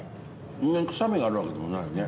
そんなに臭みがあるわけでもないね。